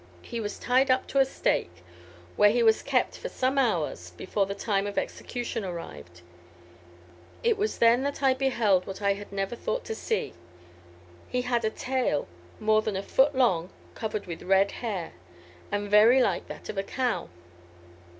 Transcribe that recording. He was tied up to a stake, where he was kept for some hours before the time of execution arrived. It was then that I beheld what I had never thought to see. He had a tail more than a foot long, covered with red hair, and very like that of a cow.